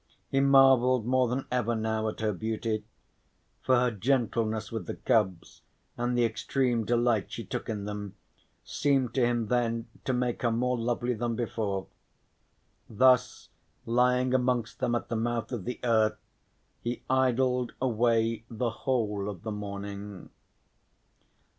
He marvelled more than ever now at her beauty; for her gentleness with the cubs and the extreme delight she took in them seemed to him then to make her more lovely than before. Thus lying amongst them at the mouth of the earth he idled away the whole of the morning.